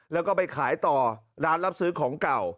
แล้วก็ไปขายต่อร้านรับซื้อของเก่า